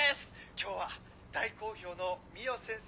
今日は大好評の海音先生